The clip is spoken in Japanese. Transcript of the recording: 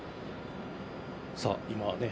さあ今ね